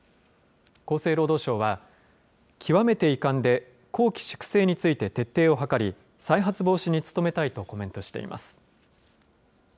厚生労働省は、極めて遺憾で、綱紀粛正について徹底を図り、再発防止に努めたいとコメントしています。